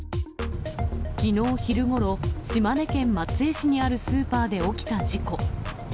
きのう昼ごろ、島根県松江市にあるスーパーで起きた事故。